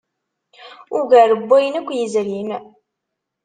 Ugar n wayen akk yezrin.